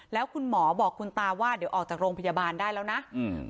แล้วคุณหมอบอกคุณตาว่าเดี๋ยวออกจากโรงพยาบาลได้แล้วนะอืม